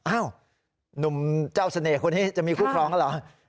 อ้าวหนุ่มเจ้าเสน่ห์คนนี้จะมีคู่ครองแล้วเหรอ